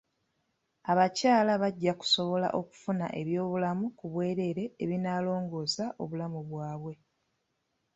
Abakyala bajja kusobola okufuna ebyobulamu ku bwereere ebinaalongoosa obulamu bwabwe.